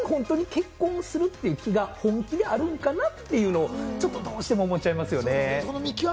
全員が全員本当に結婚するっていう気が本気であるんかな？っていうのを、ちょっとどうしても思っちゃいますよね。